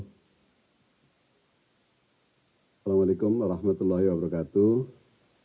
assalamu'alaikum warahmatullahi wabarakatuh